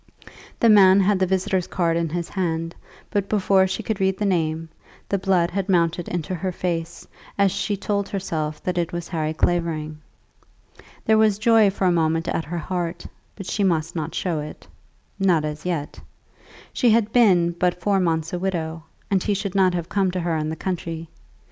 The man had the visitor's card in his hand, but before she could read the name, the blood had mounted into her face as she told herself that it was Harry Clavering. There was joy for a moment at her heart; but she must not show it, not as yet. She had been but four months a widow, and he should not have come to her in the country.